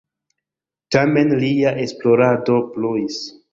Tamen lia esplorado pluis.